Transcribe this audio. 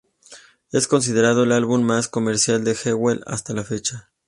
Es considerado el álbum más comercial de Jewel hasta la fecha.